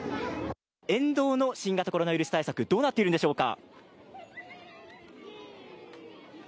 沿道の新型コロナウイルス対策どうなっているんでしょうか。